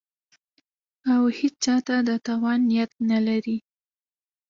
او هېچا ته د تاوان نیت نه لري